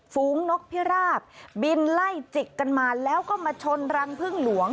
ฝูงนกพิราบบินไล่จิกกันมาแล้วก็มาชนรังพึ่งหลวง